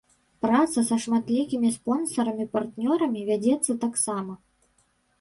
Праца са шматлікімі спонсарамі-партнёрамі вядзецца таксама.